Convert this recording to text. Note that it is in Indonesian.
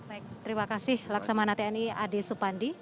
baik terima kasih laksamana tni ade supandi